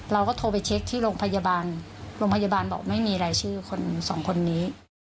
เราก็โทรไปเช็คที่โรงพยาบาลโรงพยาบาลบอกไม่มีรายชื่อคนสองคนนี้